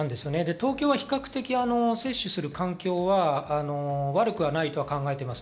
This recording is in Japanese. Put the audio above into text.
東京は割合、接種する環境は悪くはないと考えています。